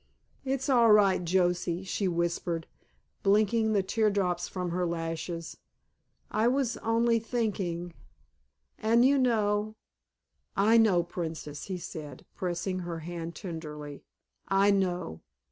"It's all right, Joesy," she whispered, blinking the tear drops from her lashes; "I was only thinking—and you know——" "I know, Princess," he said, pressing her hand tenderly, "I know."